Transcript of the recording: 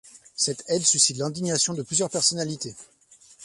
Cette aide suscite l'indigation de plusieurs personnalités.